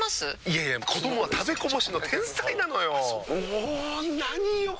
いやいや子どもは食べこぼしの天才なのよ。も何よ